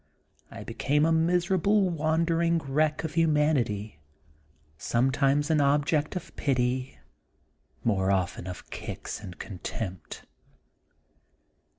I became a miserable, wandering I 30 T^e Untold Sequel of wreck of humanity, sometimes an object of pity, more often of kicks and contempt.